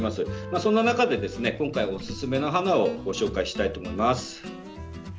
そんな中で今回おすすめの花をご紹介したいと思います。